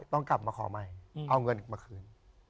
ต้องกลับมาขอใหม่เอาเงินมาคืน